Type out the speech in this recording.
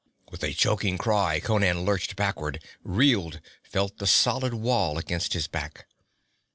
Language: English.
With a choking cry Conan lurched backward, reeled, felt the solid wall against his back.